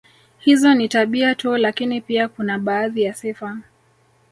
Hizo ni tabia tu lakini pia kuna baadhi ya sifa